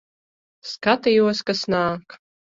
Skatījos, kas nāk.